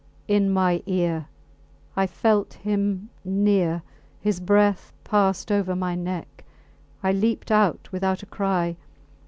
In my ear! I felt him near ... His breath passed over my neck. I leaped out without a cry.